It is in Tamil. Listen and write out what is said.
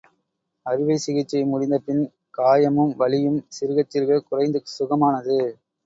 அறுவைச்சிகிச்சை முடிந்த பின்பு, காயமும் வலியும் சிறுகச் சிறுகக் குறைந்து சுகமானது.